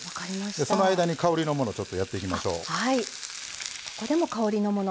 その間に香りのものやっていきましょう。